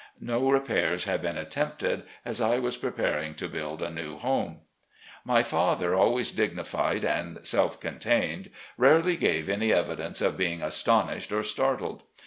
No repairs had been attempted, as 1 was preparing to build a new home. THE SOUTHERN TRIP 407 My father, always dignified and self contained, rarely gave any evidence of being astonished or startled.